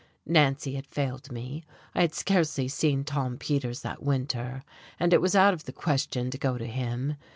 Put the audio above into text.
Nancy had failed me; I had scarcely seen Tom Peters that winter, and it was out of the question to go to him.